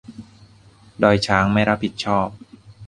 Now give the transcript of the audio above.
ดอยช้างไม่รับผิดชอบ